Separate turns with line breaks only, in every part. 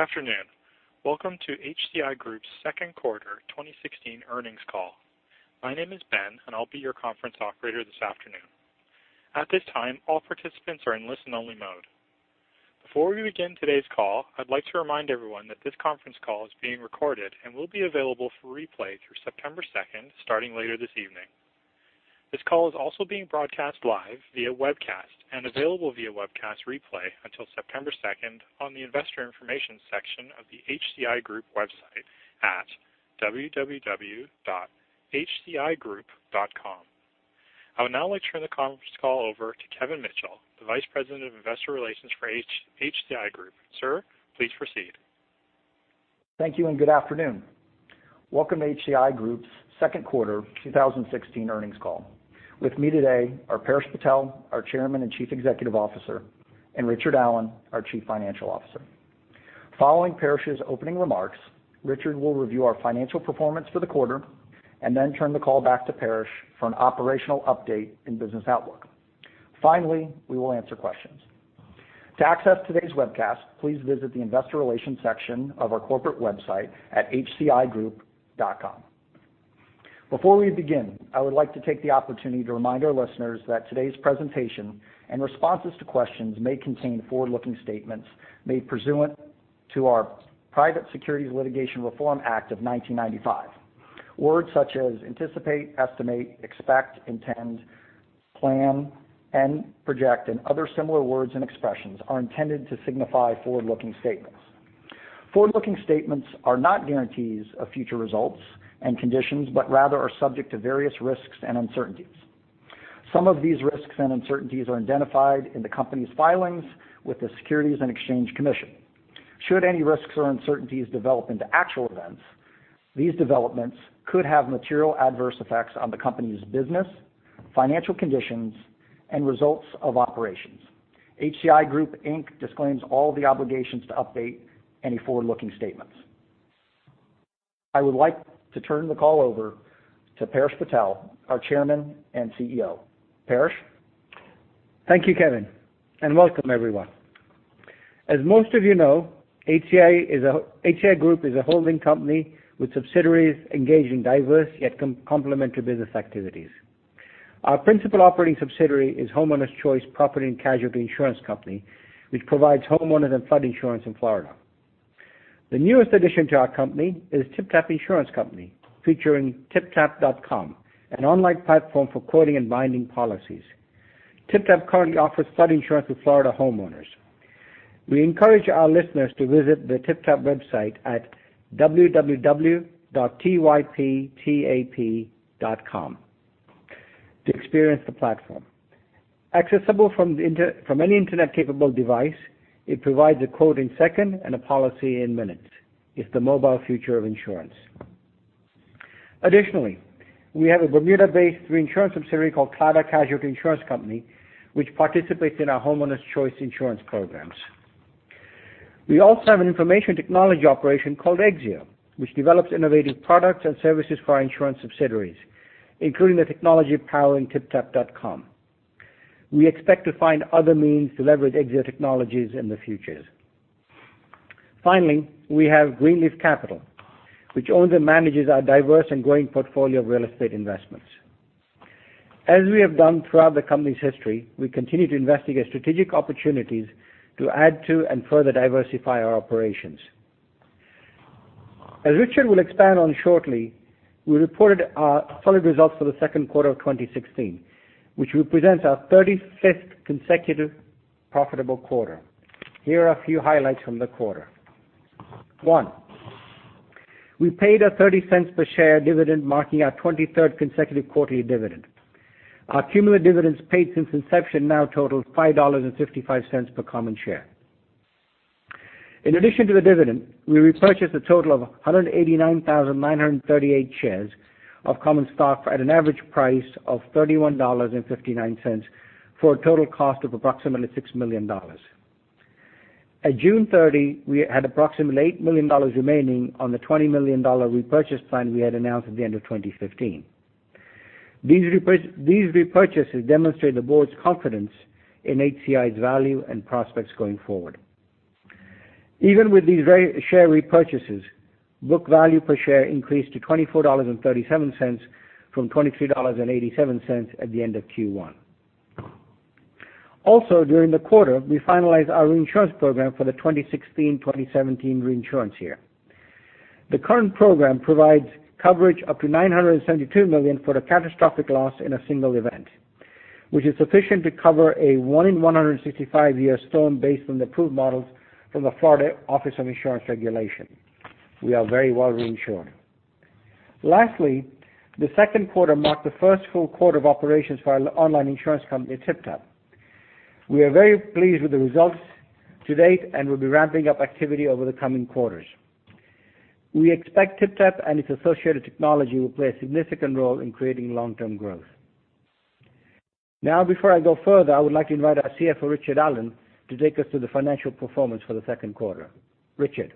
Good afternoon. Welcome to HCI Group's second quarter 2016 earnings call. My name is Ben, and I'll be your conference operator this afternoon. At this time, all participants are in listen-only mode. Before we begin today's call, I'd like to remind everyone that this conference call is being recorded and will be available for replay through September 2nd, starting later this evening. This call is also being broadcast live via webcast and available via webcast replay until September 2nd on the investor information section of the HCI Group website at www.hcigroup.com. I would now like to turn the conference call over to Kevin Mitchell, the Vice President of Investor Relations for HCI Group. Sir, please proceed.
Thank you. Good afternoon. Welcome to HCI Group's second quarter 2016 earnings call. With me today are Paresh Patel, our Chairman and Chief Executive Officer, and Richard Allen, our Chief Financial Officer. Following Paresh's opening remarks, Richard will review our financial performance for the quarter. Then turn the call back to Paresh for an operational update and business outlook. Finally, we will answer questions. To access today's webcast, please visit the investor relations section of our corporate website at hcigroup.com. Before we begin, I would like to take the opportunity to remind our listeners that today's presentation and responses to questions may contain forward-looking statements made pursuant to our Private Securities Litigation Reform Act of 1995. Words such as anticipate, estimate, expect, intend, plan, and project, and other similar words and expressions are intended to signify forward-looking statements. Forward-looking statements are not guarantees of future results and conditions, but rather are subject to various risks and uncertainties. Some of these risks and uncertainties are identified in the company's filings with the Securities and Exchange Commission. Should any risks or uncertainties develop into actual events, these developments could have material adverse effects on the company's business, financial conditions, and results of operations. HCI Group, Inc. disclaims all the obligations to update any forward-looking statements. I would like to turn the call over to Paresh Patel, our Chairman and CEO. Paresh.
Thank you, Kevin. Welcome everyone. As most of you know, HCI Group is a holding company with subsidiaries engaged in diverse yet complementary business activities. Our principal operating subsidiary is Homeowners Choice Property and Casualty Insurance Company, which provides homeowners and flood insurance in Florida. The newest addition to our company is TypTap Insurance Company, featuring typtap.com, an online platform for quoting and binding policies. TypTap currently offers flood insurance for Florida homeowners. We encourage our listeners to visit the TypTap website at www.typtap.com to experience the platform. Accessible from any internet-capable device, it provides a quote in seconds and a policy in minutes. It's the mobile future of insurance. Additionally, we have a Bermuda-based reinsurance subsidiary called Claddaugh Casualty Insurance Company, which participates in our Homeowners Choice insurance programs. We also have an information technology operation called Exzeo, which develops innovative products and services for our insurance subsidiaries, including the technology powering typtap.com. We expect to find other means to leverage Exzeo technologies in the future. Finally, we have Greenleaf Capital, which owns and manages our diverse and growing portfolio of real estate investments. As we have done throughout the company's history, we continue to investigate strategic opportunities to add to and further diversify our operations. As Richard will expand on shortly, we reported our solid results for the second quarter of 2016, which represents our 35th consecutive profitable quarter. Here are a few highlights from the quarter. 1, we paid a $0.30 per share dividend, marking our 23rd consecutive quarterly dividend. Our cumulative dividends paid since inception now total $5.55 per common share. In addition to the dividend, we repurchased a total of 189,938 shares of common stock at an average price of $31.59 for a total cost of approximately $6 million. At June 30, we had approximately $8 million remaining on the $20 million repurchase plan we had announced at the end of 2015. These repurchases demonstrate the board's confidence in HCI's value and prospects going forward. Even with these share repurchases, book value per share increased to $24.37 from $23.87 at the end of Q1. Also during the quarter, we finalized our reinsurance program for the 2016-2017 reinsurance year. The current program provides coverage up to $972 million for a catastrophic loss in a single event, which is sufficient to cover a one in 165-year storm based on the approved models from the Florida Office of Insurance Regulation. We are very well reinsured. Lastly, the second quarter marked the first full quarter of operations for our online insurance company, TypTap. We are very pleased with the results to date and will be ramping up activity over the coming quarters. We expect TypTap and its associated technology will play a significant role in creating long-term growth. Before I go further, I would like to invite our CFO, Richard Allen, to take us through the financial performance for the second quarter. Richard.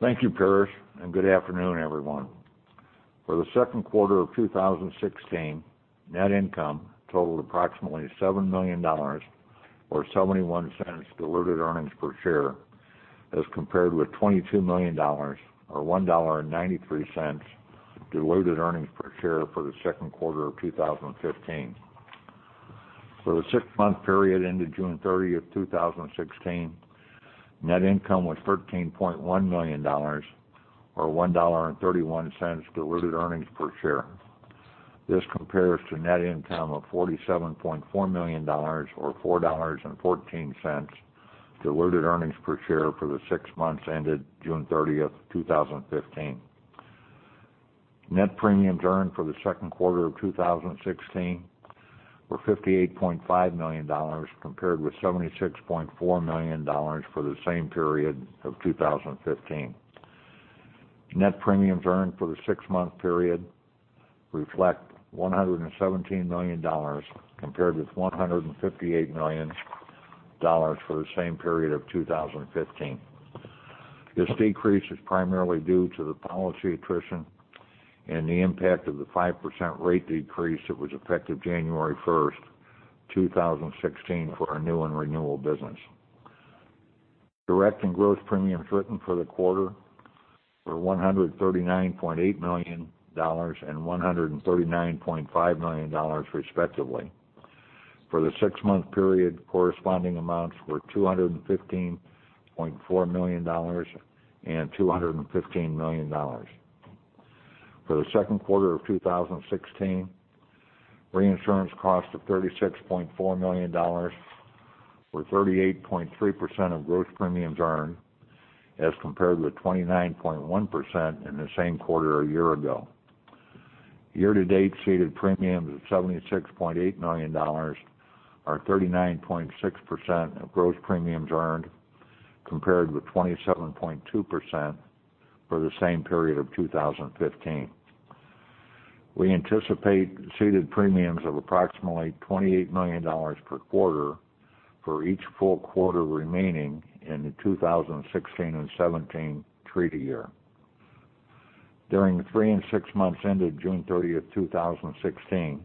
Thank you, Paresh, and good afternoon, everyone. For the second quarter of 2016, net income totaled approximately $7 million, or $0.71 diluted earnings per share, as compared with $22 million, or $1.93 diluted earnings per share for the second quarter of 2015. For the six-month period ended June 30, 2016, net income was $13.1 million, or $1.31 diluted earnings per share. This compares to net income of $47.4 million, or $4.14 diluted earnings per share for the six months ended June 30, 2015. Net premiums earned for the second quarter of 2016 were $58.5 million, compared with $76.4 million for the same period of 2015. Net premiums earned for the six-month period reflect $117 million, compared with $158 million for the same period of 2015. This decrease is primarily due to the policy attrition and the impact of the 5% rate decrease that was effective January 1st, 2016, for our new and renewal business. Direct and gross premiums written for the quarter were $139.8 million and $139.5 million respectively. For the six-month period, corresponding amounts were $215.4 million and $215 million. For the second quarter of 2016, reinsurance costs of $36.4 million or 38.3% of gross premiums earned, as compared with 29.1% in the same quarter a year ago. Year-to-date ceded premiums of $76.8 million, are 39.6% of gross premiums earned, compared with 27.2% for the same period of 2015. We anticipate ceded premiums of approximately $28 million per quarter for each full quarter remaining in the 2016 and 2017 treaty year. During the three and six months ended June 30th, 2016,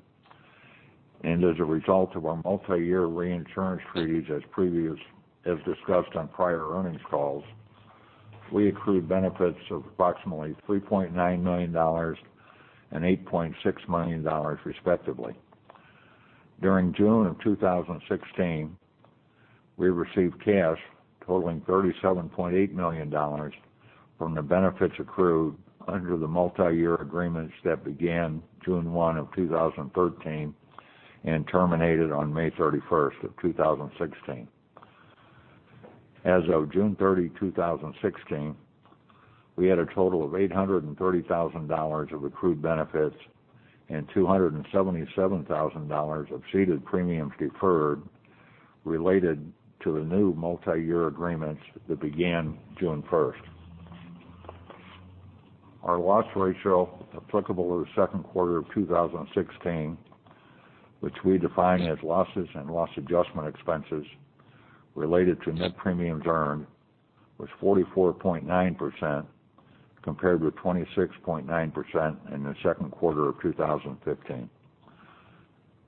as a result of our multi-year reinsurance treaties, as discussed on prior earnings calls, we accrued benefits of approximately $3.9 million and $8.6 million respectively. During June of 2016, we received cash totaling $37.8 million from the benefits accrued under the multi-year agreements that began July 1 of 2013 and terminated on May 31st of 2016. As of June 30, 2016, we had a total of $830,000 of accrued benefits and $277,000 of ceded premiums deferred related to the new multi-year agreements that began June 1st. Our loss ratio applicable to the second quarter of 2016, which we define as losses and loss adjustment expenses related to net premiums earned, was 44.9%, compared with 26.9% in the second quarter of 2015.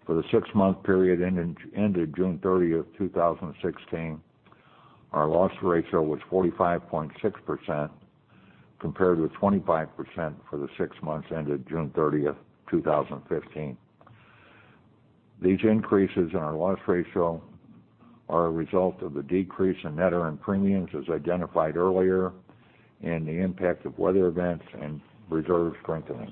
For the six-month period ended June 30th, 2016, our loss ratio was 45.6%, compared with 25% for the six months ended June 30th, 2015. These increases in our loss ratio are a result of the decrease in net earned premiums as identified earlier and the impact of weather events and reserve strengthening.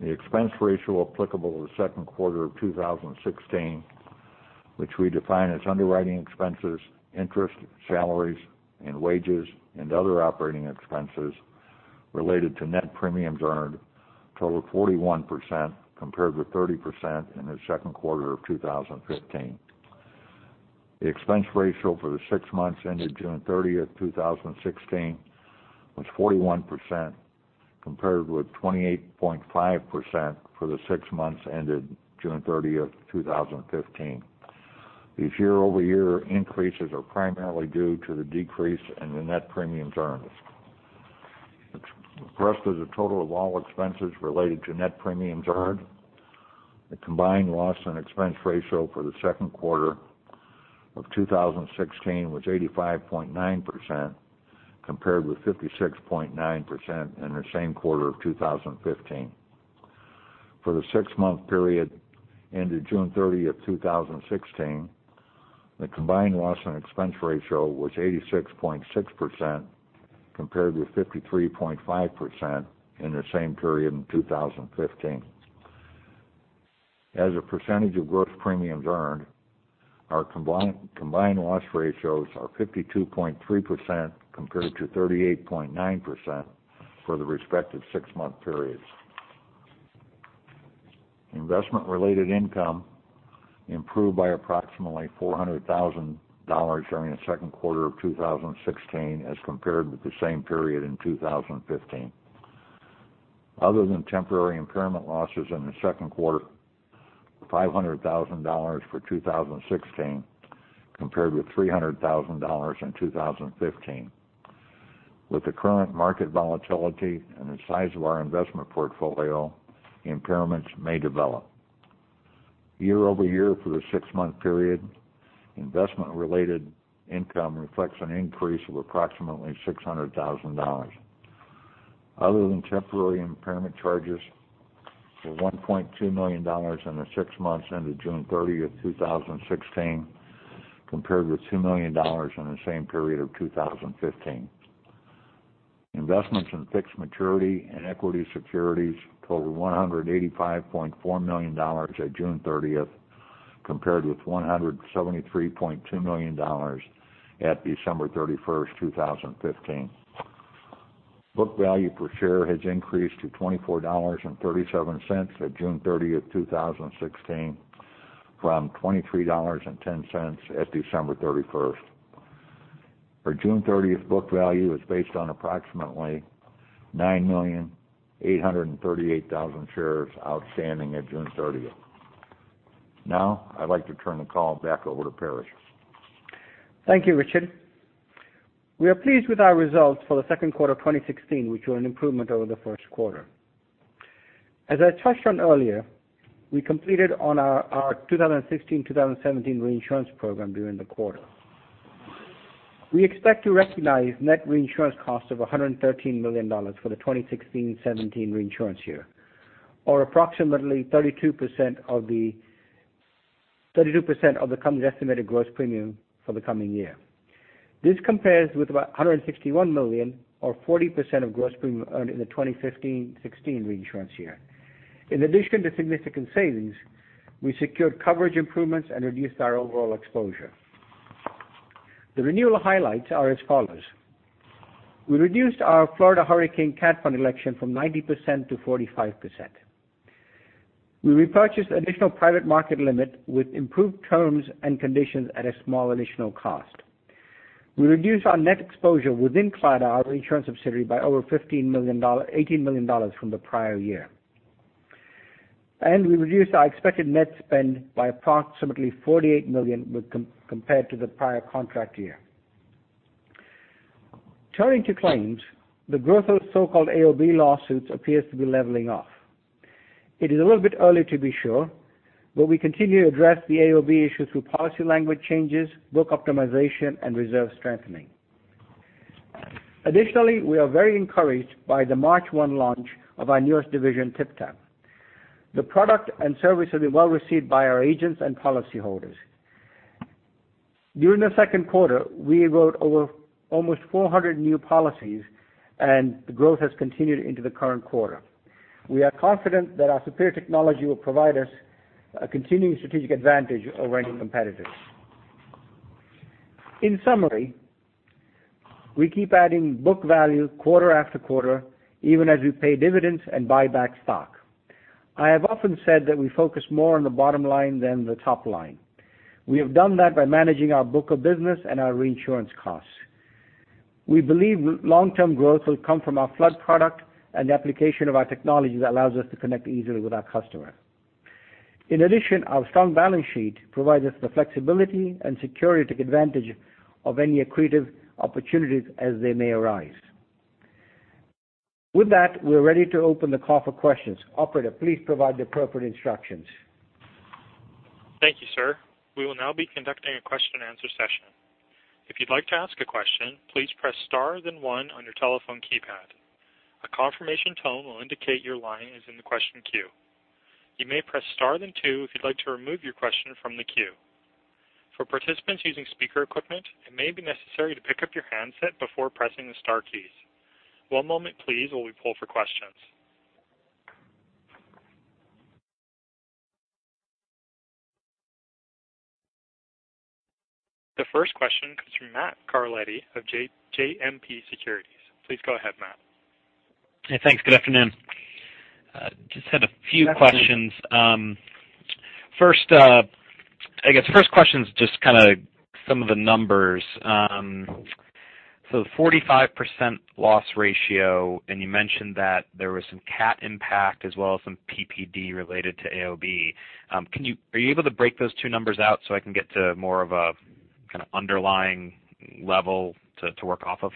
The expense ratio applicable to the second quarter of 2016, which we define as underwriting expenses, interest, salaries and wages, and other operating expenses related to net premiums earned, totaled 41% compared with 30% in the second quarter of 2015. The expense ratio for the six months ended June 30th, 2016 was 41%, compared with 28.5% for the six months ended June 30th, 2015. These year-over-year increases are primarily due to the decrease in the net premiums earned. Expressed as a total of all expenses related to net premiums earned, the combined loss and expense ratio for the second quarter of 2016 was 85.9%, compared with 56.9% in the same quarter of 2015. For the six-month period ended June 30th, 2016, the combined loss and expense ratio was 86.6%, compared with 53.5% in the same period in 2015. As a percentage of gross premiums earned, our combined loss ratios are 52.3%, compared to 38.9% for the respective six-month periods. Investment-related income improved by approximately $400,000 during the second quarter of 2016 as compared with the same period in 2015. Other than temporary impairment losses in the second quarter $500,000 for 2016, compared with $300,000 in 2015. With the current market volatility and the size of our investment portfolio, impairments may develop. Year-over-year for the six-month period, investment related income reflects an increase of approximately $600,000. Other than temporary impairment charges for $1.2 million in the six months ended June 30th, 2016, compared with $2 million in the same period of 2015. Investments in fixed maturity and equity securities totaled $185.4 million at June 30th, compared with $173.2 million at December 31st, 2015. Book value per share has increased to $24.37 at June 30th, 2016, from $23.10 at December 31st. Our June 30th book value is based on approximately 9,838,000 shares outstanding at June 30th. I'd like to turn the call back over to Paresh.
Thank you, Richard. We are pleased with our results for the second quarter of 2016, which were an improvement over the first quarter. As I touched on earlier, we completed on our 2016-2017 reinsurance program during the quarter. We expect to recognize net reinsurance costs of $113 million for the 2016-17 reinsurance year, or approximately 32% of the coming estimated gross premium for the coming year. This compares with about $161 million or 40% of gross premium earned in the 2015-16 reinsurance year. In addition to significant savings, we secured coverage improvements and reduced our overall exposure. The renewal highlights are as follows: we reduced our Florida Hurricane Cat Fund election from 90% to 45%. We repurchased additional private market limit with improved terms and conditions at a small additional cost. We reduced our net exposure within Claddaugh, our reinsurance subsidiary, by over $18 million from the prior year. We reduced our expected net spend by approximately $48 million compared to the prior contract year. Turning to claims, the growth of so-called AOB lawsuits appears to be leveling off. It is a little bit early to be sure, but we continue to address the AOB issue through policy language changes, book optimization, and reserve strengthening. Additionally, we are very encouraged by the March 1 launch of our newest division, TypTap. The product and service have been well received by our agents and policyholders. During the second quarter, we wrote over almost 400 new policies and the growth has continued into the current quarter. We are confident that our superior technology will provide us a continuing strategic advantage over any competitors. In summary, we keep adding book value quarter after quarter, even as we pay dividends and buy back stock. I have often said that we focus more on the bottom line than the top line. We have done that by managing our book of business and our reinsurance costs. We believe long-term growth will come from our flood product and the application of our technology that allows us to connect easily with our customer. In addition, our strong balance sheet provides us the flexibility and security to take advantage of any accretive opportunities as they may arise. With that, we're ready to open the call for questions. Operator, please provide the appropriate instructions.
Thank you, sir. We will now be conducting a question and answer session. If you'd like to ask a question, please press star then one on your telephone keypad. A confirmation tone will indicate your line is in the question queue. You may press star then two if you'd like to remove your question from the queue. For participants using speaker equipment, it may be necessary to pick up your handset before pressing the star keys. One moment please while we pull for questions. The first question comes from Matthew Carletti of JMP Securities. Please go ahead, Matt.
Hey, thanks. Good afternoon. Just had a few questions. I guess the first question is just kind of some of the numbers. The 45% loss ratio, and you mentioned that there was some cat impact as well as some PPD related to AOB. Are you able to break those two numbers out so I can get to more of a kind of underlying level to work off of?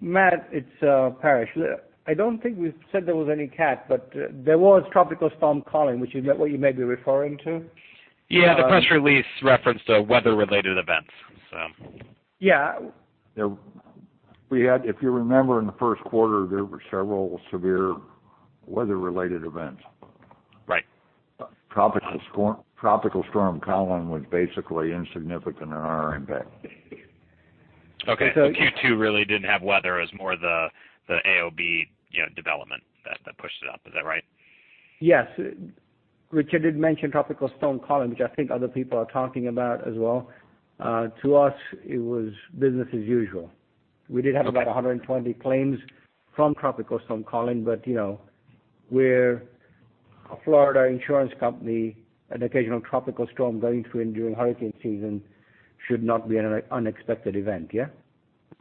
Matt, it's Paresh. I don't think we said there was any cat, there was Tropical Storm Colin, which is what you may be referring to.
Yeah, the press release referenced weather related events.
Yeah. If you remember in the first quarter, there were several severe weather related events.
Right.
Tropical Storm Colin was basically insignificant in our impact.
Okay. Q2 really didn't have weather, it was more the AOB development that pushed it up. Is that right?
Yes. Richard did mention Tropical Storm Colin, which I think other people are talking about as well. To us it was business as usual. We did have about 120 claims from Tropical Storm Colin, but we're a Florida insurance company, an occasional tropical storm going through during hurricane season should not be an unexpected event, yeah?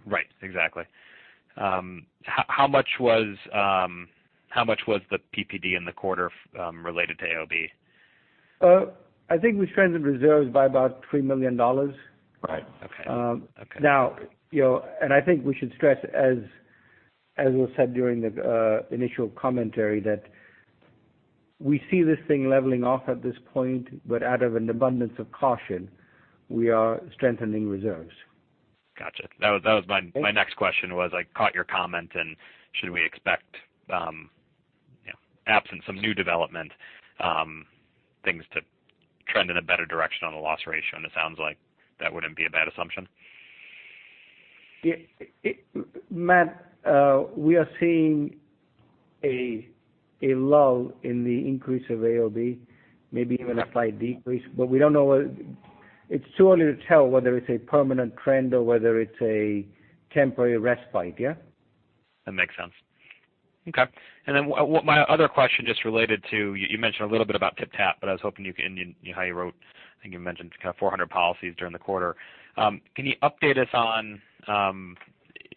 Right. Exactly. How much was the PPD in the quarter related to AOB?
I think we strengthened reserves by about $3 million.
Right. Okay.
Now, I think we should stress as was said during the initial commentary, that we see this thing leveling off at this point, but out of an abundance of caution, we are strengthening reserves.
Got you. That was my next question was, I caught your comment and should we expect, absent some new development, things to trend in a better direction on the loss ratio, and it sounds like that wouldn't be a bad assumption.
Matt, we are seeing a lull in the increase of AOB, maybe even a slight decrease. It's too early to tell whether it's a permanent trend or whether it's a temporary respite, yeah?
That makes sense. Okay. My other question just related to, you mentioned a little bit about TypTap, but I was hoping you could, and how you wrote, I think you mentioned 400 policies during the quarter. Can you update us on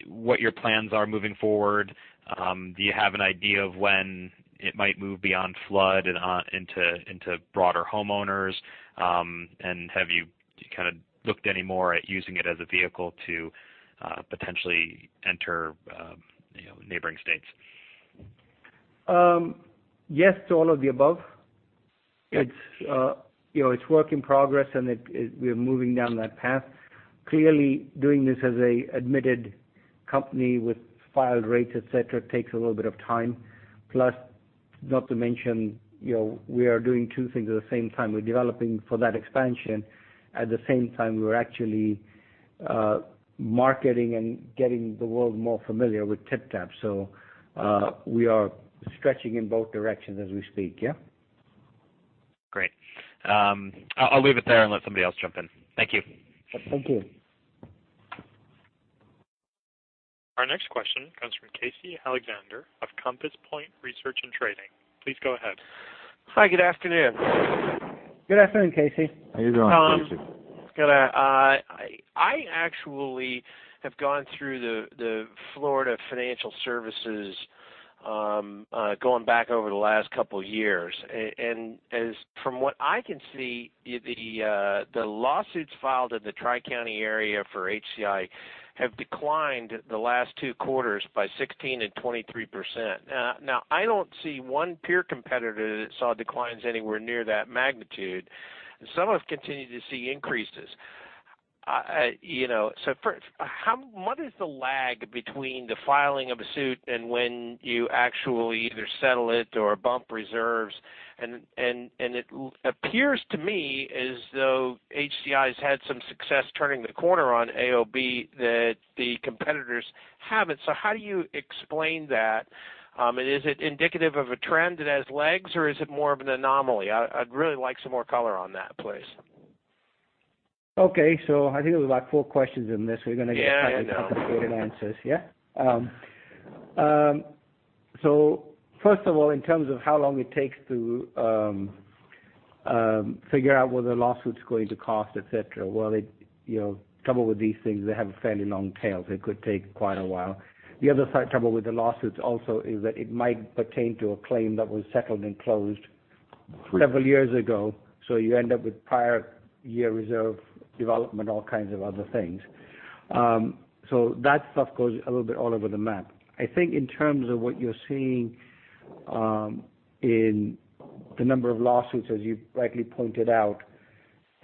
what your plans are moving forward? Do you have an idea of when it might move beyond flood and into broader homeowners? Have you looked anymore at using it as a vehicle to potentially enter neighboring states?
Yes to all of the above.
Good.
It's work in progress. We are moving down that path. Clearly, doing this as an admitted company with filed rates, et cetera, takes a little bit of time. Plus, not to mention, we are doing two things at the same time. We're developing for that expansion. At the same time, we are actually marketing and getting the world more familiar with TypTap. We are stretching in both directions as we speak, yeah?
Great. I'll leave it there and let somebody else jump in. Thank you.
Thank you.
Our next question comes from Casey Alexander of Compass Point Research & Trading. Please go ahead.
Hi, good afternoon.
Good afternoon, Casey.
How are you doing, Casey?
I actually have gone through the Florida Financial Services, going back over the last couple of years. As from what I can see, the lawsuits filed in the Tri-County area for HCI have declined the last two quarters by 16% and 23%. I don't see one peer competitor that saw declines anywhere near that magnitude. Some have continued to see increases. First, what is the lag between the filing of a suit and when you actually either settle it or bump reserves? It appears to me as though HCI has had some success turning the corner on AOB that the competitors haven't. How do you explain that? Is it indicative of a trend that has legs, or is it more of an anomaly? I'd really like some more color on that, please.
Okay. I think there was like four questions in this.
Yeah, I know
complicated answers, yeah. First of all, in terms of how long it takes to figure out what the lawsuit's going to cost, et cetera. Well, the trouble with these things, they have a fairly long tail, it could take quite a while. The other trouble with the lawsuits also is that it might pertain to a claim that was settled and closed several years ago. You end up with prior year reserve development, all kinds of other things. That stuff goes a little bit all over the map. I think in terms of what you're seeing in the number of lawsuits, as you rightly pointed out,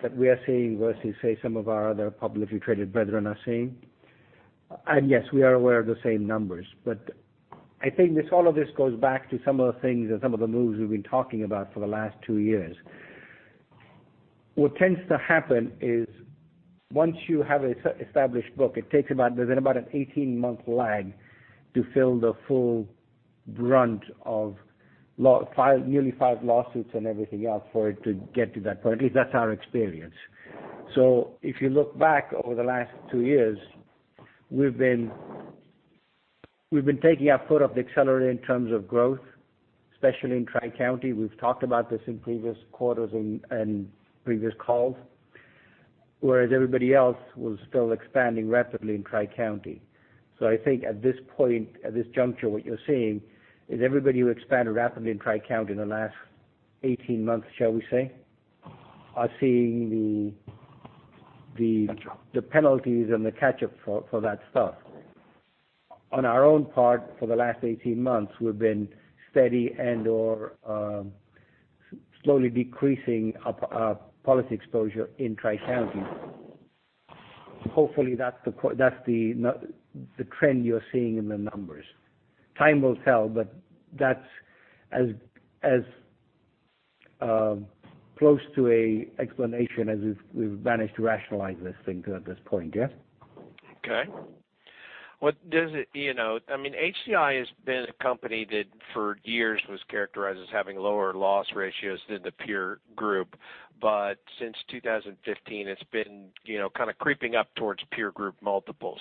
that we are seeing versus say, some of our other publicly traded brethren are seeing, yes, we are aware of the same numbers. I think all of this goes back to some of the things and some of the moves we've been talking about for the last two years. What tends to happen is once you have an established book, there's about an 18-month lag to fill the full brunt of nearly five lawsuits and everything else for it to get to that point. At least that's our experience. If you look back over the last two years, we've been taking our foot off the accelerator in terms of growth, especially in Tri-County. We've talked about this in previous quarters and previous calls. Whereas everybody else was still expanding rapidly in Tri-County. I think at this point, at this juncture, what you're seeing is everybody who expanded rapidly in Tri-County in the last 18 months, shall we say, are seeing the penalties and the catch-up for that stuff. On our own part, for the last 18 months, we've been steady and/or slowly decreasing our policy exposure in Tri-County. Hopefully, that's the trend you're seeing in the numbers. Time will tell, but that's as close to an explanation as we've managed to rationalize this thing at this point, yeah?
Okay. I mean, HCI has been a company that for years was characterized as having lower loss ratios than the peer group. Since 2015, it's been kind of creeping up towards peer group multiples.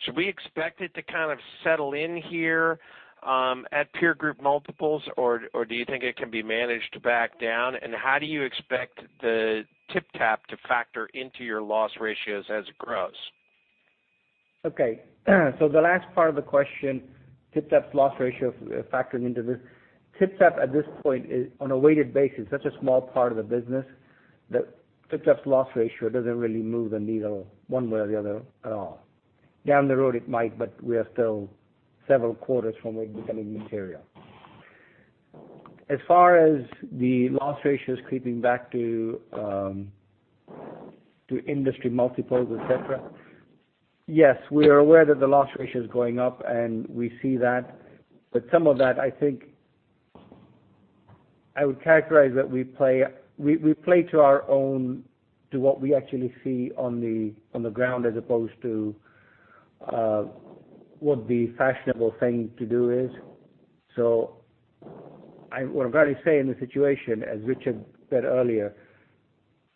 Should we expect it to kind of settle in here at peer group multiples, or do you think it can be managed back down? How do you expect the TypTap to factor into your loss ratios as it grows?
Okay. The last part of the question, TypTap's loss ratio factoring into this. TypTap at this point is on a weighted basis, such a small part of the business that TypTap's loss ratio doesn't really move the needle one way or the other at all. Down the road it might, but we are still several quarters from it becoming material. As far as the loss ratios creeping back to industry multiples, et cetera. Yes, we are aware that the loss ratio is going up, and we see that. Some of that, I think, I would characterize that we play to our own, to what we actually see on the ground, as opposed to what the fashionable thing to do is. I'm very sane in the situation, as Richard said earlier.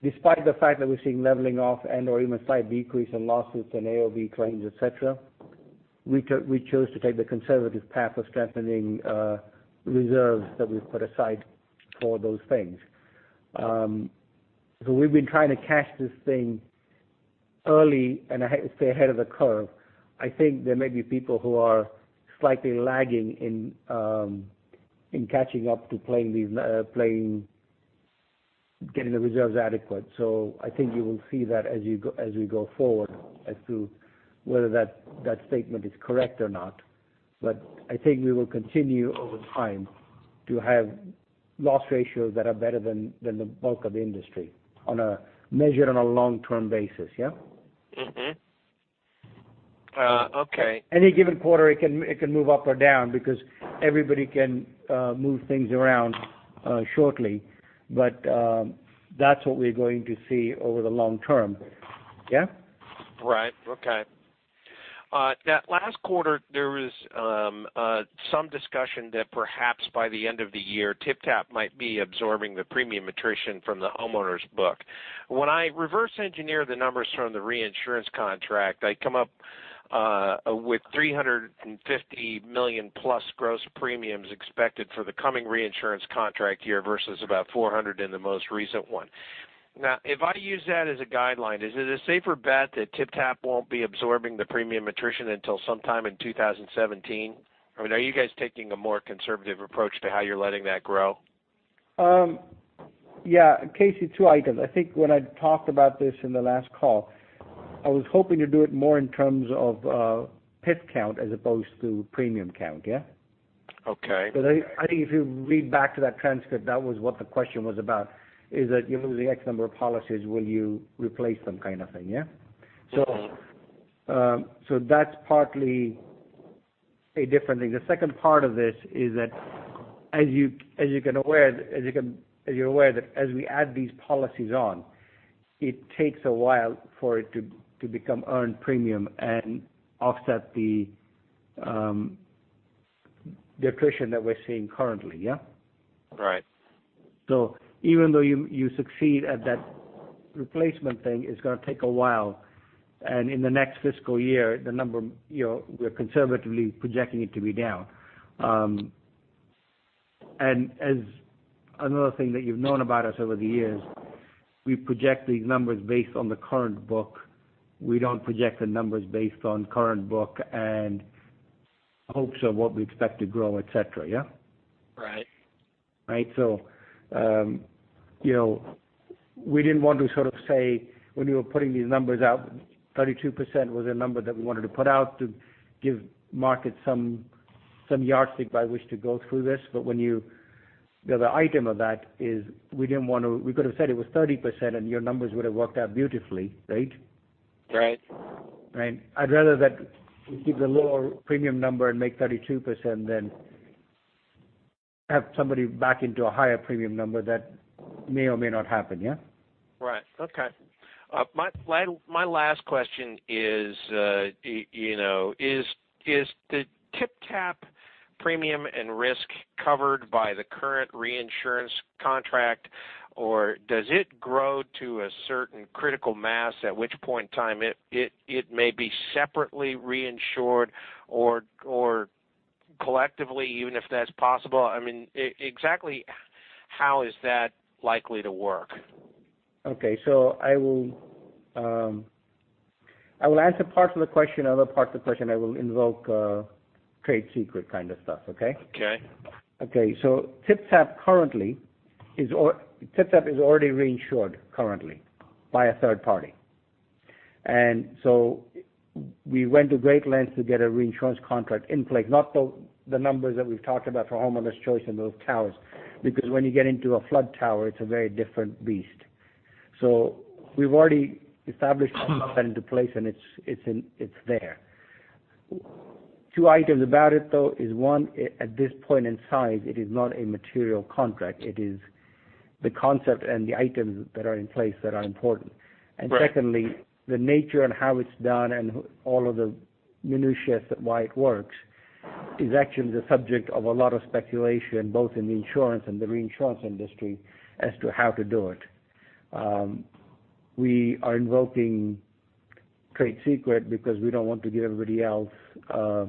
Despite the fact that we're seeing leveling off and/or even slight decrease in losses and AOB claims, et cetera, we chose to take the conservative path of strengthening reserves that we've put aside for those things. We've been trying to catch this thing early and stay ahead of the curve. I think there may be people who are slightly lagging in catching up to getting the reserves adequate. I think you will see that as we go forward as to whether that statement is correct or not. I think we will continue over time to have loss ratios that are better than the bulk of the industry on a measure on a long-term basis. Yeah?
Mm-hmm. Okay.
Any given quarter, it can move up or down because everybody can move things around shortly. That's what we're going to see over the long term. Yeah?
Right. Okay. That last quarter, there was some discussion that perhaps by the end of the year, TypTap might be absorbing the premium attrition from the homeowners book. When I reverse engineer the numbers from the reinsurance contract, I come up with $350 million-plus gross premiums expected for the coming reinsurance contract year versus about $400 million in the most recent one. If I use that as a guideline, is it a safer bet that TypTap won't be absorbing the premium attrition until sometime in 2017? I mean, are you guys taking a more conservative approach to how you're letting that grow?
Yeah. Casey, two items. I think when I talked about this in the last call, I was hoping to do it more in terms of PIF count as opposed to premium count. Yeah?
Okay.
I think if you read back to that transcript, that was what the question was about, is that given the X number of policies, will you replace them kind of thing? Yeah? That's partly a different thing. The second part of this is that as you're aware that as we add these policies on, it takes a while for it to become earned premium and offset the attrition that we're seeing currently. Yeah?
Right.
Even though you succeed at that replacement thing, it's going to take a while, and in the next fiscal year, we're conservatively projecting it to be down. As another thing that you've known about us over the years, we project these numbers based on the current book. We don't project the numbers based on current book and hopes of what we expect to grow, et cetera. Yeah?
Right.
Right. We didn't want to say when we were putting these numbers out, 32% was a number that we wanted to put out to give markets some yardstick by which to go through this. The other item of that is we could've said it was 30%, and your numbers would've worked out beautifully. Right?
Right.
Right. I'd rather that we keep the lower premium number and make 32% than have somebody back into a higher premium number that may or may not happen. Yeah?
Right. Okay. My last question is the TypTap premium and risk covered by the current reinsurance contract, or does it grow to a certain critical mass at which point in time it may be separately reinsured or collectively, even if that's possible? I mean, exactly how is that likely to work?
Okay. I will answer parts of the question. Other parts of the question, I will invoke trade secret kind of stuff. Okay?
Okay.
Okay. TypTap is already reinsured currently by a third party. We went to great lengths to get a reinsurance contract in place, not the numbers that we've talked about for Homeowners Choice and those towers. When you get into a flood tower, it's a very different beast. We've already established that into place, and it's there. Two items about it, though, is one, at this point in size, it is not a material contract. It is the concept and the items that are in place that are important.
Right.
Secondly, the nature and how it's done and all of the minutiae of why it works is actually the subject of a lot of speculation, both in the insurance and the reinsurance industry as to how to do it. We are invoking trade secret because we don't want to give everybody else a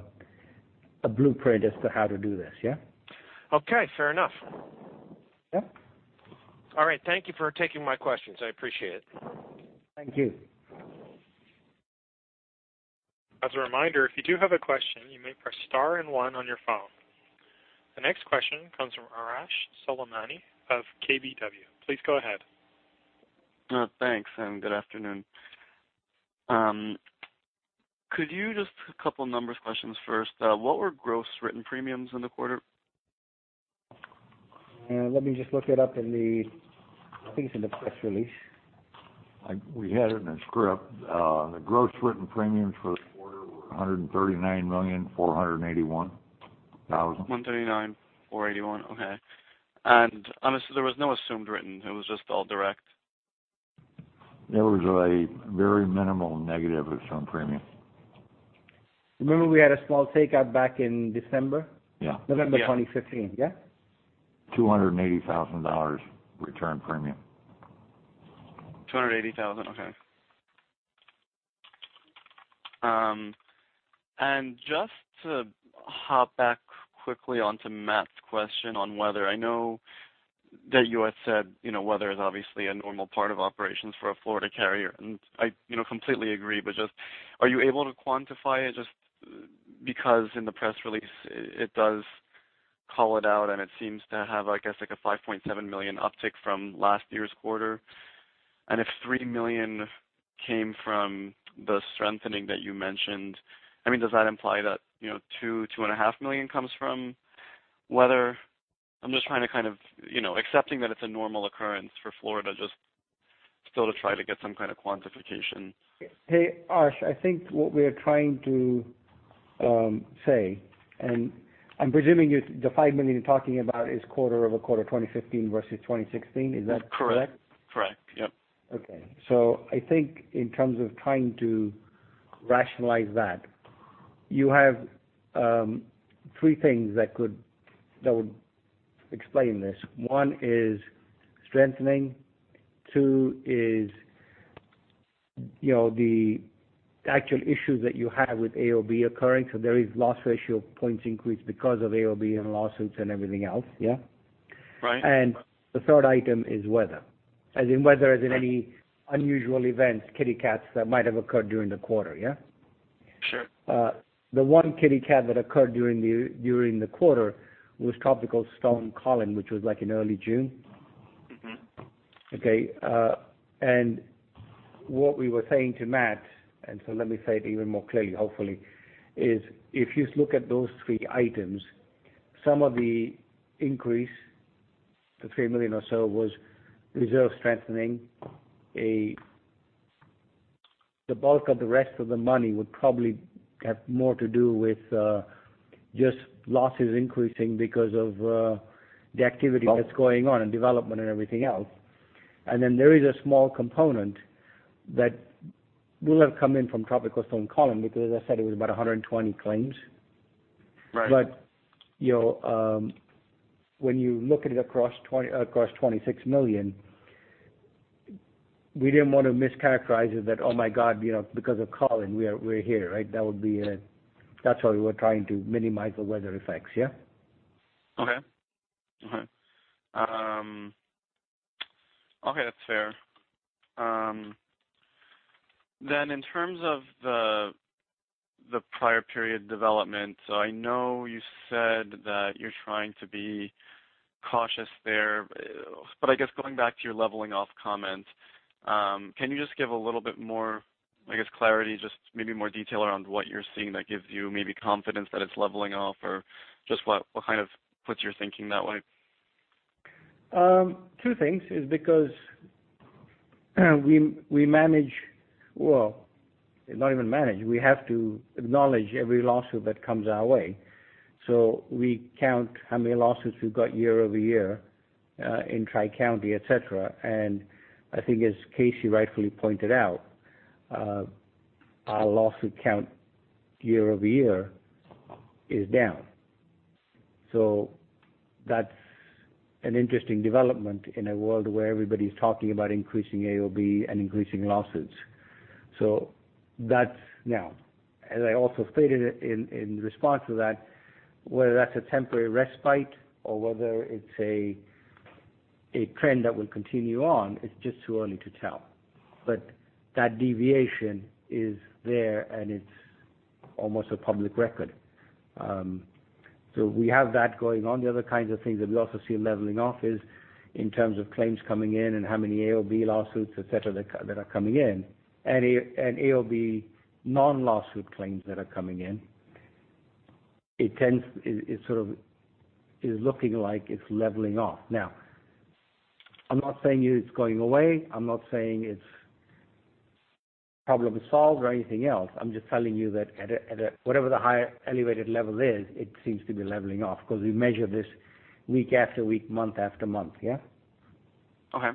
blueprint as to how to do this. Yeah?
Okay. Fair enough.
Yeah?
All right. Thank you for taking my questions. I appreciate it.
Thank you.
As a reminder, if you do have a question, you may press star and one on your phone. The next question comes from Arash Soleimani of KBW. Please go ahead.
Thanks, and good afternoon. Could you just, a couple numbers questions first. What were gross written premiums in the quarter?
Let me just look it up. I think it's in the press release.
We had it in the script. The gross written premiums for the quarter were $139,481,000.
$139,481. Okay. There was no assumed written, it was just all direct?
There was a very minimal negative assumed premium.
Remember we had a small take up back in December?
Yeah.
November 2015, yeah?
$280,000 return premium.
$280,000. Okay. Just to hop back quickly onto Matt's question on weather. I know that you had said, weather is obviously a normal part of operations for a Florida carrier, and I completely agree, but just, are you able to quantify it? Just because in the press release it does call it out, and it seems to have, I guess, like a $5.7 million uptick from last year's quarter. If $3 million came from the strengthening that you mentioned, does that imply that $2 million, $2.5 million comes from weather? I'm just trying to kind of, accepting that it's a normal occurrence for Florida, just still to try to get some kind of quantification.
Hey, Arash, I think what we're trying to say, I'm presuming the $5 million you're talking about is quarter-over-quarter 2015 versus 2016. Is that correct?
Correct. Yep.
I think in terms of trying to rationalize that, you have three things that would explain this. One is strengthening. Two is the actual issues that you have with AOB occurring. There is loss ratio points increase because of AOB and lawsuits and everything else. Yeah?
Right.
The third item is weather. As in weather, as in any unusual events, cat events that might have occurred during the quarter, yeah?
Sure.
The one kitty cat that occurred during the quarter was Tropical Storm Colin, which was in early June. Okay. What we were saying to Matt, let me say it even more clearly, hopefully, is if you look at those three items, some of the increase, the $3 million or so, was reserve strengthening. The bulk of the rest of the money would probably have more to do with just losses increasing because of the activity that's going on in development and everything else. There is a small component that will have come in from Tropical Storm Colin, because as I said, it was about 120 claims.
Right.
When you look at it across $26 million, we didn't want to mischaracterize it that, oh my god, because of Tropical Storm Colin, we're here, right? That's why we were trying to minimize the weather effects, yeah?
Okay. Okay, that's fair. In terms of the prior period development, so I know you said that you're trying to be cautious there. But I guess going back to your leveling off comment, can you just give a little bit more, I guess, clarity, just maybe more detail around what you're seeing that gives you maybe confidence that it's leveling off? Or just what kind of puts your thinking that way?
Two things. Is because we manage, well, not even manage, we have to acknowledge every lawsuit that comes our way. We count how many lawsuits we've got year-over-year, in Tri-County, et cetera. I think as Casey rightfully pointed out, our lawsuit count year-over-year is down. That's an interesting development in a world where everybody's talking about increasing AOB and increasing lawsuits. That's now. As I also stated in response to that, whether that's a temporary respite or whether it's a trend that will continue on, it's just too early to tell. That deviation is there, and it's almost a public record. We have that going on. The other kinds of things that we also see leveling off is in terms of claims coming in and how many AOB lawsuits, et cetera, that are coming in. AOB non-lawsuit claims that are coming in. It sort of is looking like it's leveling off. I'm not saying it's going away. I'm not saying it's problem solved or anything else. I'm just telling you that at whatever the high elevated level is, it seems to be leveling off because we measure this week after week, month after month. Yeah?
Okay.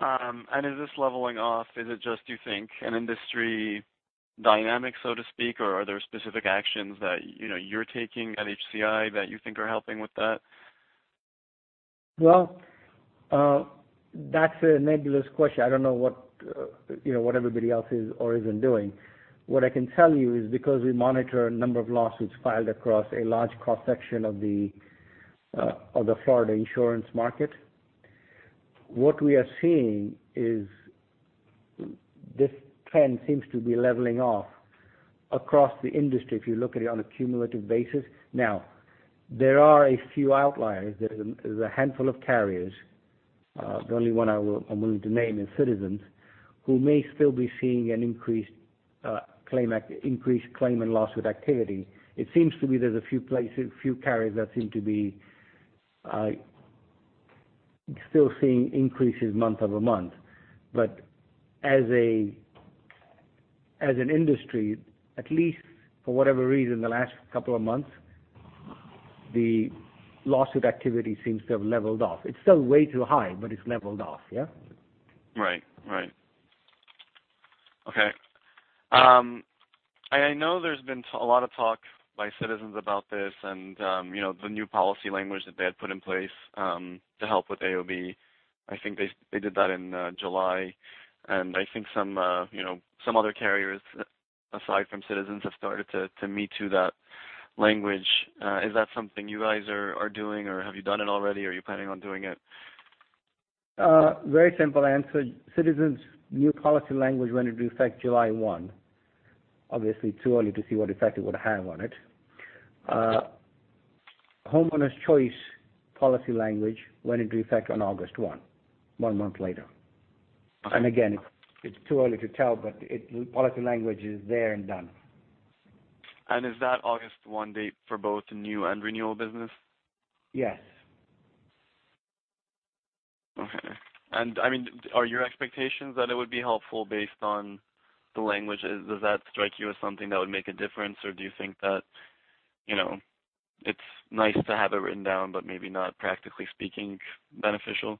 Is this leveling off, is it just, you think, an industry dynamic, so to speak? Or are there specific actions that you're taking at HCI that you think are helping with that?
Well, that's a nebulous question. I do not know what everybody else is or isn't doing. What I can tell you is because we monitor a number of lawsuits filed across a large cross-section of the Florida insurance market. What we are seeing is this trend seems to be leveling off across the industry if you look at it on a cumulative basis. There are a few outliers. There's a handful of carriers, the only one I'm willing to name is Citizens, who may still be seeing an increased claim and lawsuit activity. It seems to me there's a few carriers that seem to be still seeing increases month-over-month. As an industry, at least for whatever reason, the last couple of months, the lawsuit activity seems to have leveled off. It's still way too high, but it's leveled off, yeah?
Right. Okay. I know there's been a lot of talk by Citizens about this and the new policy language that they had put in place to help with AOB. I think they did that in July, and I think some other carriers aside from Citizens have started to mimic that language. Is that something you guys are doing, or have you done it already? Are you planning on doing it?
Very simple answer. Citizens' new policy language went into effect July 1. Obviously too early to see what effect it would have on it. Homeowner's Choice policy language went into effect on August 1, one month later. Again, it's too early to tell, but policy language is there and done.
Is that August 1 date for both new and renewal business?
Yes.
Okay. Are your expectations that it would be helpful based on the language? Does that strike you as something that would make a difference, or do you think that it's nice to have it written down, but maybe not practically speaking beneficial?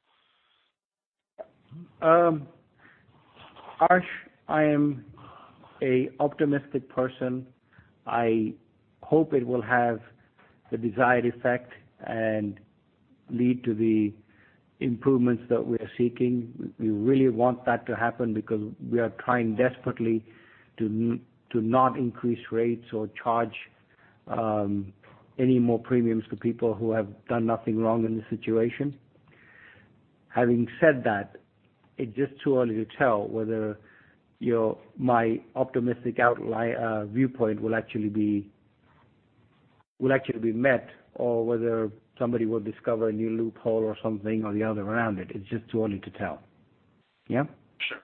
Arash, I am a optimistic person. I hope it will have the desired effect and lead to the improvements that we are seeking. We really want that to happen because we are trying desperately to not increase rates or charge any more premiums to people who have done nothing wrong in this situation. Having said that, it's just too early to tell whether my optimistic viewpoint will actually be met or whether somebody will discover a new loophole or something or the other around it. It's just too early to tell. Yeah?
Sure.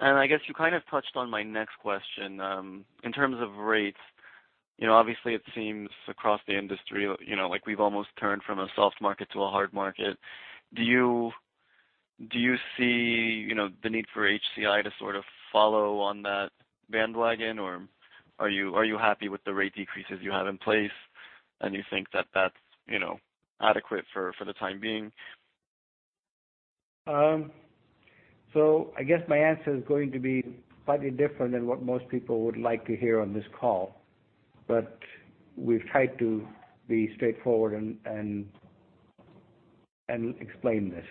I guess you kind of touched on my next question. In terms of rates, obviously it seems across the industry, like we've almost turned from a soft market to a hard market. Do you see the need for HCI to sort of follow on that bandwagon, or are you happy with the rate decreases you have in place, and you think that that's adequate for the time being?
I guess my answer is going to be slightly different than what most people would like to hear on this call, but we've tried to be straightforward and explain this.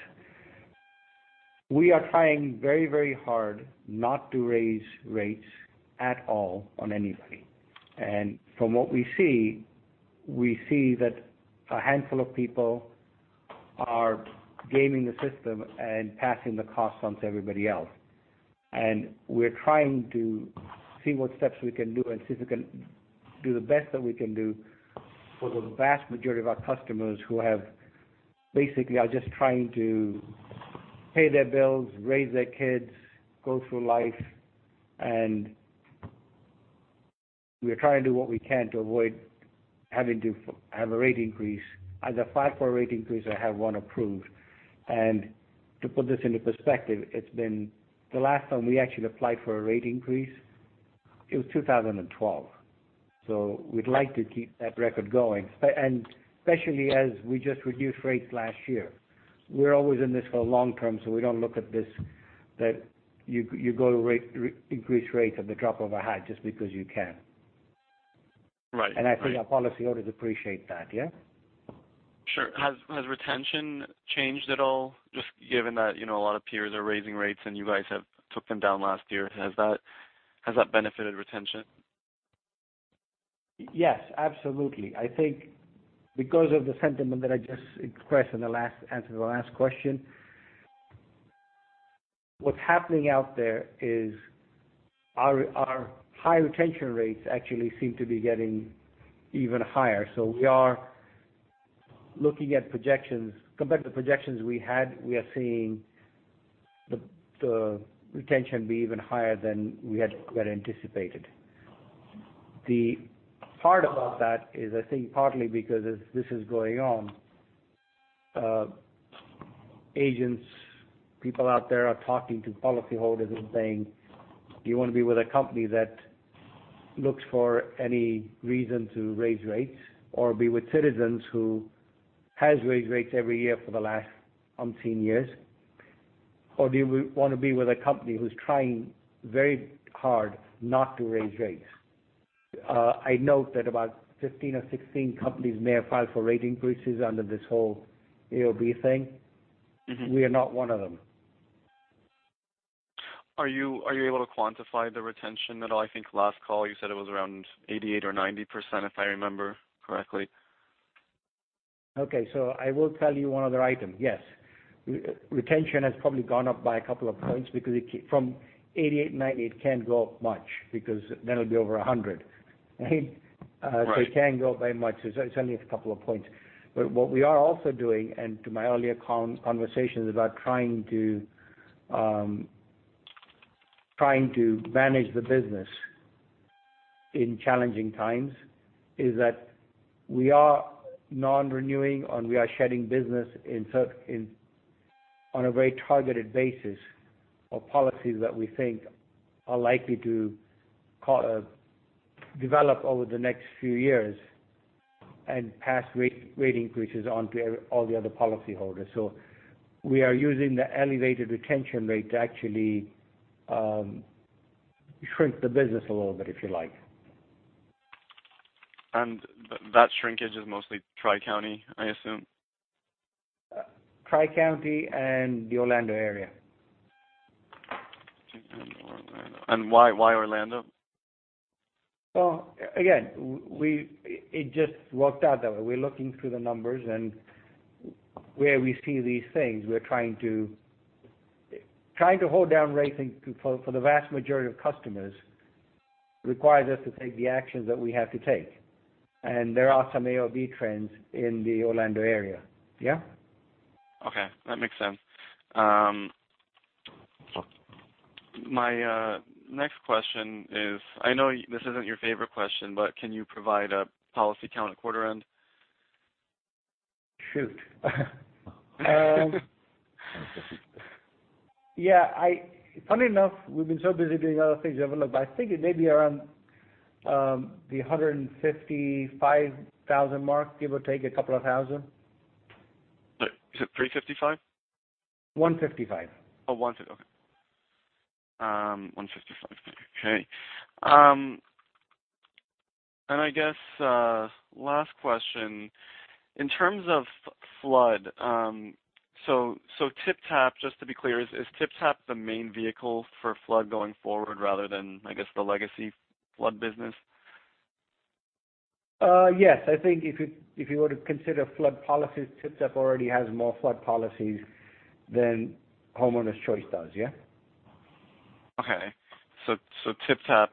We are trying very hard not to raise rates at all on anybody. From what we see, we see that a handful of people are gaming the system and passing the cost on to everybody else. We're trying to see what steps we can do and see if we can do the best that we can do for the vast majority of our customers who have basically are just trying to pay their bills, raise their kids, go through life, and we are trying to do what we can to avoid having to have a rate increase. As a file for rate increase, I have one approved. To put this into perspective, the last time we actually applied for a rate increase, it was 2012. We'd like to keep that record going, and especially as we just reduced rates last year. We're always in this for the long term, we don't look at this that you go to increase rates at the drop of a hat just because you can.
Right.
I think our policyholders appreciate that, yeah?
Sure. Has retention changed at all, just given that a lot of peers are raising rates and you guys have took them down last year? Has that benefited retention?
Yes, absolutely. I think because of the sentiment that I just expressed in the answer to the last question, what's happening out there is our high retention rates actually seem to be getting even higher. We are looking at projections. Compared to projections we had, we are seeing the retention be even higher than we had quite anticipated. The hard part about that is I think partly because as this is going on, agents, people out there are talking to policyholders and saying, "Do you want to be with a company that looks for any reason to raise rates, or be with Citizens who has raised rates every year for the last umpteen years? Or do you want to be with a company who's trying very hard not to raise rates?" I note that about 15 or 16 companies may have filed for rate increases under this whole AOB thing. We are not one of them.
Are you able to quantify the retention at all? I think last call you said it was around 88% or 90%, if I remember correctly.
Okay. I will tell you one other item. Yes. Retention has probably gone up by a couple of points because from 88-90, it can't go up much, because then it'll be over 100, right?
Right.
It can't go up by much. It's only a couple of points. What we are also doing, and to my earlier conversations about trying to manage the business in challenging times, is that we are non-renewing, or we are shedding business on a very targeted basis of policies that we think are likely to develop over the next few years and pass rate increases onto all the other policyholders. We are using the elevated retention rate to actually shrink the business a little bit, if you like.
That shrinkage is mostly Tri County, I assume?
Tri County and the Orlando area.
Tri County and Orlando. Why Orlando?
Well, again, it just worked out that way. We're looking through the numbers and where we see these things, we're trying to hold down rates for the vast majority of customers, requires us to take the actions that we have to take. There are some AOB trends in the Orlando area. Yeah.
Okay. That makes sense. My next question is, I know this isn't your favorite question, but can you provide a policy count at quarter end?
Shoot. Yeah. Funny enough, we've been so busy doing other things, we haven't looked, but I think it may be around the 155,000 mark, give or take a couple of thousand.
Sorry, is it 355?
155.
Oh, 150, okay. 155, okay. I guess, last question. In terms of flood, TypTap, just to be clear, is TypTap the main vehicle for flood going forward rather than the legacy flood business?
Yes. I think if you were to consider flood policies, TypTap already has more flood policies than Homeowners Choice does, yeah.
Okay. TypTap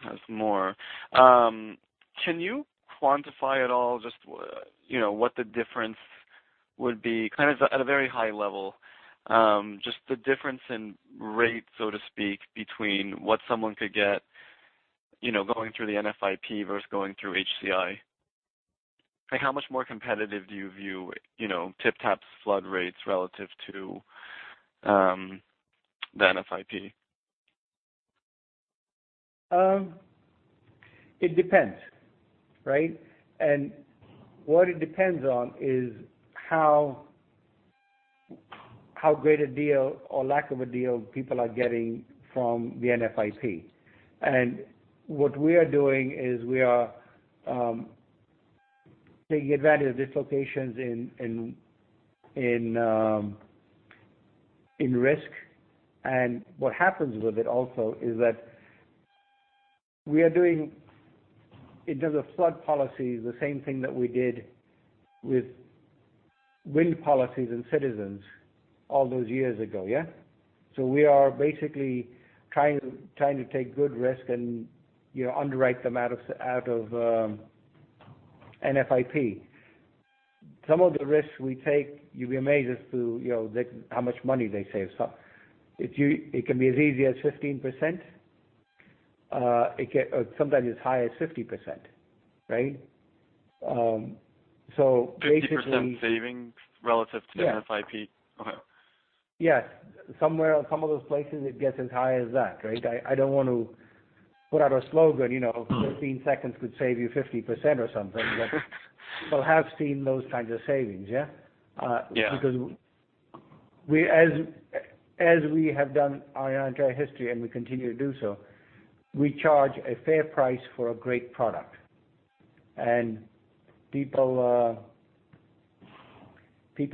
has more. Can you quantify at all just what the difference would be, kind of at a very high level, just the difference in rate, so to speak, between what someone could get going through the NFIP versus going through HCI? How much more competitive do you view TypTap's flood rates relative to the NFIP?
It depends, right. What it depends on is how great a deal or lack of a deal people are getting from the NFIP. What we are doing is we are taking advantage of dislocations in risk. What happens with it also is that we are doing, in terms of flood policy, the same thing that we did with wind policies and Citizens all those years ago. Yeah. We are basically trying to take good risk and underwrite them out of NFIP. Some of the risks we take, you'd be amazed as to how much money they save. It can be as easy as 15%, sometimes as high as 50%. Right.
50% savings relative to the NFIP?
Yes. Some of those places, it gets as high as that, right? I don't want to put out a slogan, 15 seconds could save you 50% or something. We have seen those kinds of savings, yeah?
Yeah.
As we have done our entire history, and we continue to do so, we charge a fair price for a great product. People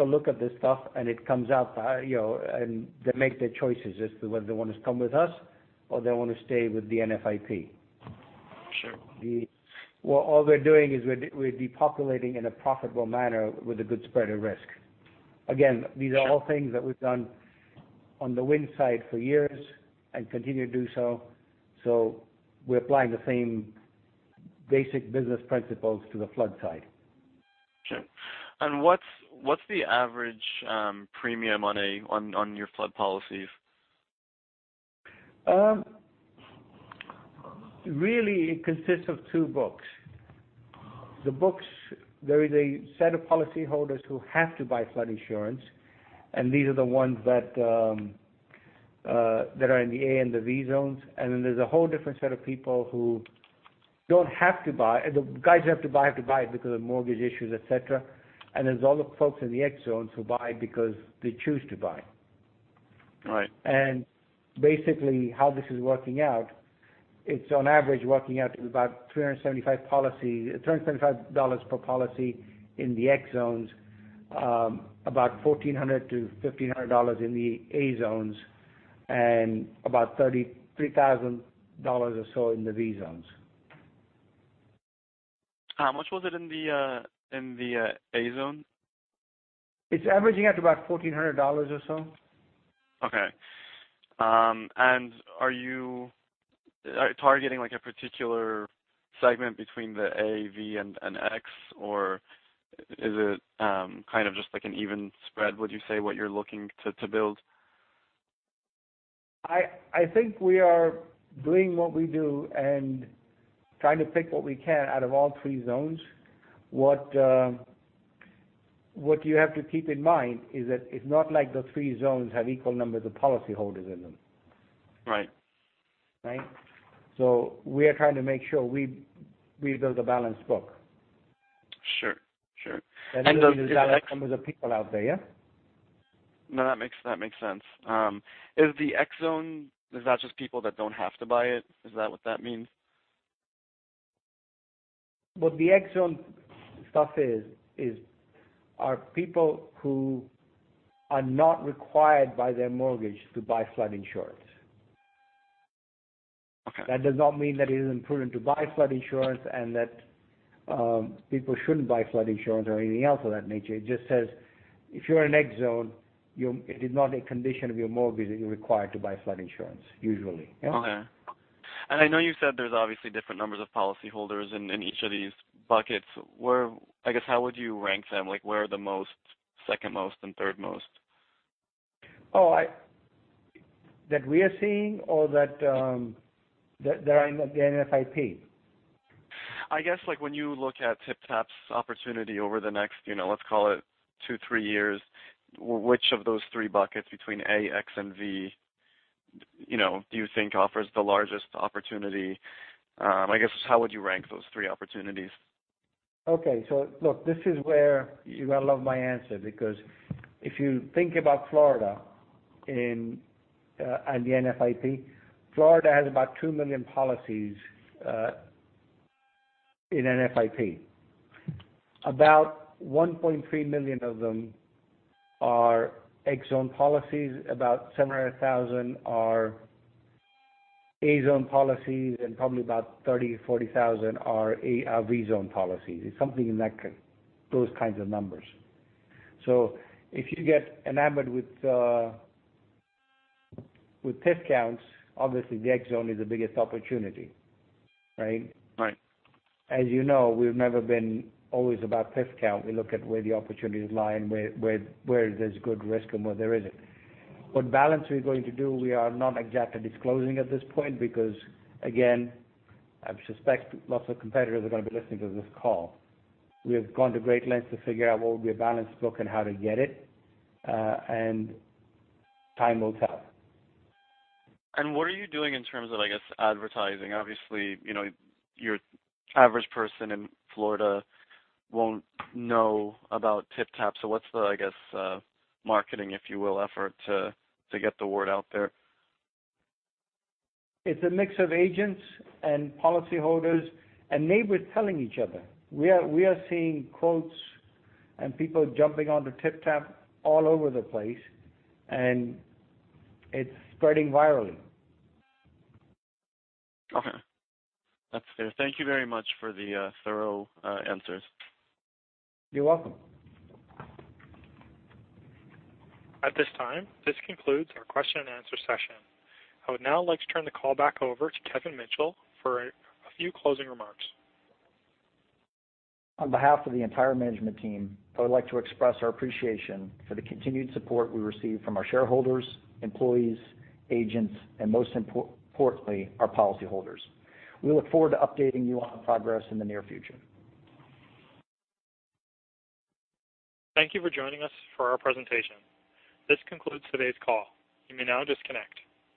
look at this stuff and it comes up, and they make their choices as to whether they want to come with us or they want to stay with the NFIP.
Sure.
All we're doing is we're depopulating in a profitable manner with a good spread of risk. Again, these are all things that we've done on the wind side for years and continue to do so. We're applying the same basic business principles to the flood side.
Sure. What's the average premium on your flood policies?
Really, it consists of two books. There is a set of policyholders who have to buy flood insurance, these are the ones that are in the A and the V zones. Then there's a whole different set of people who don't have to buy. The guys who have to buy, have to buy it because of mortgage issues, et cetera. There's all the folks in the X zones who buy because they choose to buy.
Right.
Basically, how this is working out. It's on average working out to about $375 per policy in the X zones, about $1,400-$1,500 in the A zones, about $3,000 or so in the V zones.
How much was it in the A zone?
It's averaging out to about $1,400 or so.
Okay. Are you targeting a particular segment between the A, V, and X, or is it just an even spread, would you say, what you're looking to build?
I think we are doing what we do and trying to pick what we can out of all three zones. What you have to keep in mind is that it's not like the three zones have equal numbers of policyholders in them.
Right.
Right? We are trying to make sure we build a balanced book.
Sure.
Those are the number of people out there, yeah?
No, that makes sense. Is the X zone, is that just people that don't have to buy it? Is that what that means?
What the X zone stuff is, are people who are not required by their mortgage to buy flood insurance.
Okay.
That does not mean that it isn't prudent to buy flood insurance and that people shouldn't buy flood insurance or anything else of that nature. It just says, if you're in an X zone, it is not a condition of your mortgage that you're required to buy flood insurance, usually. Yeah?
Okay. I know you said there's obviously different numbers of policyholders in each of these buckets. I guess, how would you rank them? Where are the most, second most, and third most?
Oh, that we are seeing or that are in the NFIP?
I guess when you look at TypTap's opportunity over the next, let's call it two, three years, which of those three buckets between A, X, and V do you think offers the largest opportunity? I guess, how would you rank those three opportunities?
Okay. Look, this is where you're going to love my answer because if you think about Florida and the NFIP, Florida has about 2 million policies in NFIP. About 1.3 million of them are X zone policies, about 700,000 are A zone policies, and probably about 30,000, 40,000 are V zone policies. It's something in those kinds of numbers. If you get enamored with PIF counts, obviously the X zone is the biggest opportunity. Right?
Right.
As you know, we've never been always about PIF count. We look at where the opportunities lie and where there's good risk and where there isn't. What balance we're going to do, we are not exactly disclosing at this point because, again, I suspect lots of competitors are going to be listening to this call. We have gone to great lengths to figure out what would be a balanced book and how to get it. Time will tell.
What are you doing in terms of, I guess, advertising? Obviously, your average person in Florida won't know about TypTap. What's the, I guess, marketing, if you will, effort to get the word out there?
It's a mix of agents and policyholders and neighbors telling each other. We are seeing quotes and people jumping onto TypTap all over the place, and it's spreading virally.
Okay. That's fair. Thank you very much for the thorough answers.
You're welcome.
At this time, this concludes our question and answer session. I would now like to turn the call back over to Kevin Mitchell for a few closing remarks.
On behalf of the entire management team, I would like to express our appreciation for the continued support we receive from our shareholders, employees, agents, and most importantly, our policyholders. We look forward to updating you on progress in the near future.
Thank you for joining us for our presentation. This concludes today's call. You may now disconnect.